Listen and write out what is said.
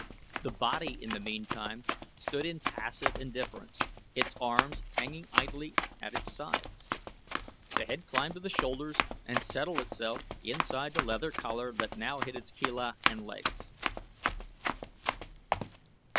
The body in the meantime stood in passive indifference, its arms hanging idly at its sides. The head climbed to the shoulders and settled itself inside the leather collar that now hid its chelae and legs.